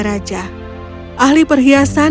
raja ahli perhiasan